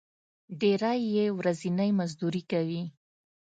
ډېری یې ورځنی مزدوري کوي.